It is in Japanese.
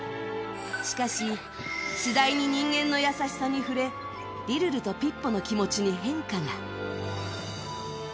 しかし次第に人間の優しさに触れリルルとピッポの気持ちに変化が。